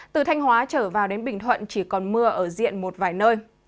từ thanh hóa trở vào đến bình thuận chỉ còn mưa ở diện một vài nơi